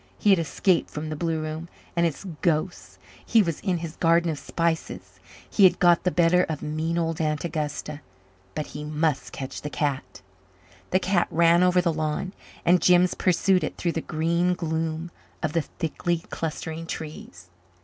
He had escaped from the blue room and its ghosts; he was in his Garden of Spices; he had got the better of mean old Aunt Augusta. But he must catch the cat. The cat ran over the lawn and Jims pursued it through the green gloom of the thickly clustering trees.